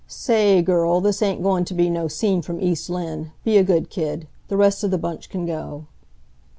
"Sa a ay, girl, this ain't goin' t' be no scene from East Lynne. Be a good kid. The rest of the bunch can go."